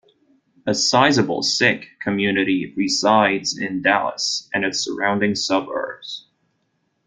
A sizable Sikh community resides in Dallas and its surrounding suburbs.